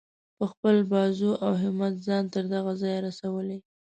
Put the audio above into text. په خپل بازو او همت ځان تر دغه ځایه رسولی.